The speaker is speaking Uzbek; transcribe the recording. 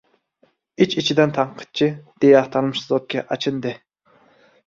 Ich-ichidan tanqidchi, deya atalmish zotga achindi.